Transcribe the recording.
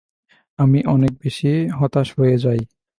আমি অনেক বেশি হতাশ হয়ে যাই।